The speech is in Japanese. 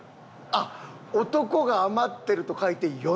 あっ男が余ってると書いて「余男」。